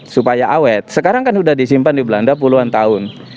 supaya awet sekarang kan sudah disimpan di belanda puluhan tahun